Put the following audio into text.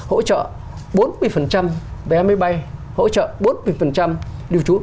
hỗ trợ bốn mươi